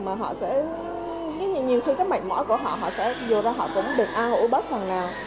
mà họ sẽ nhiều khi cái mạnh mỏi của họ họ sẽ vô ra họ cũng được an ủi bất hoàng nào